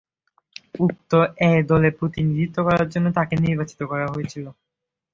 উক্ত 'এ' দলে প্রতিনিধিত্ব করার জন্য তাকে নির্বাচিত করা হয়েছিল।